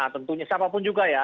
tentunya siapapun juga ya